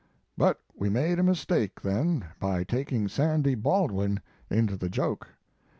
But we made a mistake, then, by taking Sandy Baldwin into the joke.